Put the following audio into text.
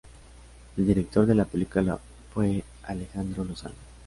El director de la película fue Alejandro Lozano.